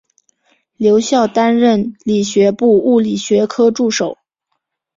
留校担任理学部物理学科助手。